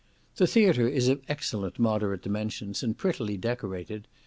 The theatre is of excellently moderate dimensions, and prettily decorated.